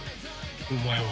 お前は。